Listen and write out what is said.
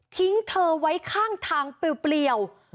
ทิ้งเธอไว้ข้างทางเปรียว